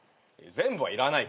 全部はいらないけど。